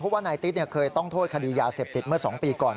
ว่านายติ๊ดเคยต้องโทษคดียาเสพติดเมื่อ๒ปีก่อน